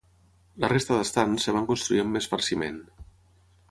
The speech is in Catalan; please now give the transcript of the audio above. La resta d'estands es van construir amb més farciment.